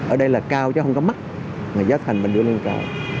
ở đây là cao chứ không có mắc mà giá thành mình đưa lên cao